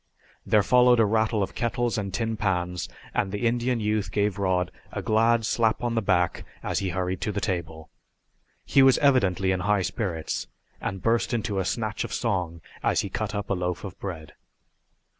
There followed a rattle of kettles and tin pans and the Indian youth gave Rod a glad slap on the back as he hurried to the table. He was evidently in high spirits, and burst into a snatch of song as he cut up a loaf of bread.